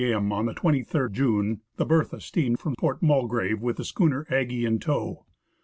m. on the 23rd June, the Bertha steamed from Port Mulgrave with the schooner Aggie in tow.